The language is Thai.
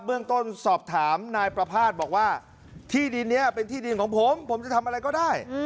เรื่องต้นสอบถามนายประภาษณ์บอกว่าที่ดินนี้เป็นที่ดินของผมผมจะทำอะไรก็ได้